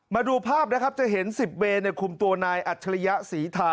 มาดูภาพนะครับจะเห็น๑๐เวนคุมตัวนายอัจฉริยะศรีทา